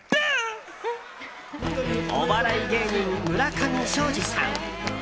お笑い芸人・村上ショージさん。